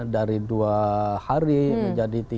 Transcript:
dari dua hari menjadi tiga puluh